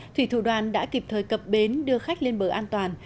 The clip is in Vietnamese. thủy thủ đoàn đã kịp thời cập bến đưa khách lên bờ an toàn